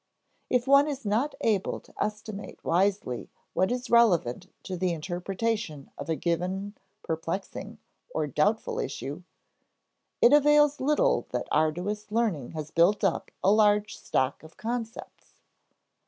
If one is not able to estimate wisely what is relevant to the interpretation of a given perplexing or doubtful issue, it avails little that arduous learning has built up a large stock of concepts.